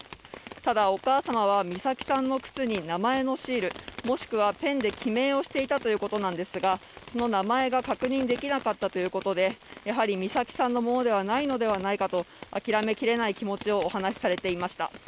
ただ、お母様は美咲さんの靴に名前のシール、もしくはペンで記名していたということなんですが、その名前が確認できなかったということで、やはり美咲さんのものではないのではないかと諦めきれない気持をお話しされていました。